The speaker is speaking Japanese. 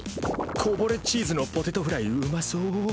こぼれチーズのポテトフライうまそう。